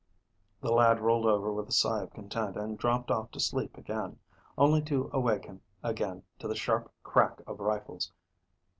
The lad rolled over with a sigh of content, and dropped off to sleep again, only to awaken again to the sharp crack of rifles.